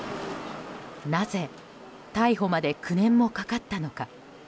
なぜ、逮捕まで９年もかかったのか。